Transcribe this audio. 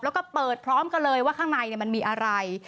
แล้วก็เปิดพร้อมกันเลยว่าข้างในมันมีอะไร